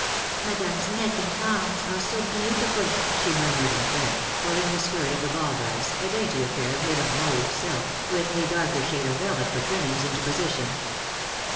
"Madame's neck and arms are so beautiful!" she murmured in French, pulling the skirt of the ball dress, a dainty affair made of mauve silk, with a darker shade of velvet for trimmings, into position.